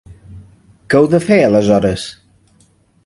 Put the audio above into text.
Què heu de fer, aleshores?